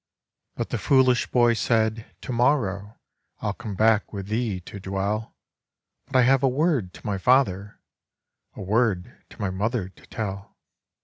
But the foolish boy said, "To morrow I '11 come back with thee to dwell ; But I have a word to my father, A word to my mother to tell."